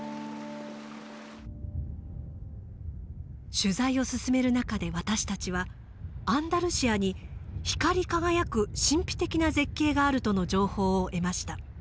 取材を進める中で私たちはアンダルシアに光り輝く神秘的な絶景があるとの情報を得ました。